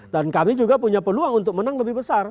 dan kami juga punya peluang untuk menang lebih besar